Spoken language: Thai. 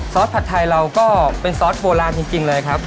สผัดไทยเราก็เป็นซอสโบราณจริงเลยครับ